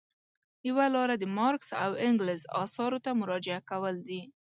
یوه لاره د مارکس او انګلز اثارو ته مراجعه کول دي.